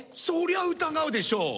そりゃ疑うでしょ！